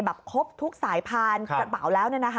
ครบทุกสายพานกระเป๋าแล้ว